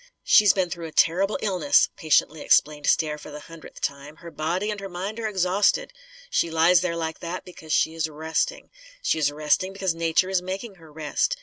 "She has been through a terrible illness," patiently explained Stair for the hundredth time. "Her body and her mind are exhausted. She lies there, like that, because she is resting. She is resting, because nature is making her rest.